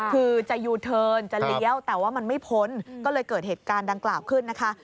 คือจะยูเทิร์นจะเลี้ยวแต่ว่ามันไม่พ้นก็เลยเกิดเหตุการณ์ดังกล่าวขึ้นนะคะ